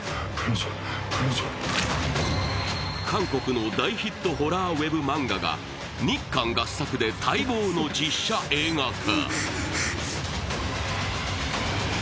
韓国の大ヒットホラーウェブ漫画が日韓合作で待望の実写映画化。